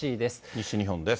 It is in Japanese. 西日本です。